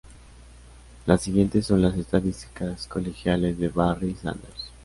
Las siguientes son las estadísticas colegiales de Barry Sanders.